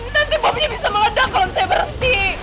nanti bomnya bisa meledak kalau saya berhenti